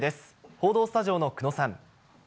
報道スタジオの久野さん。